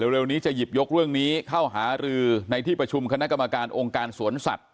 เร็วนี้จะหยิบยกเรื่องนี้เข้าหารือในที่ประชุมคณะกรรมการองค์การสวนสัตว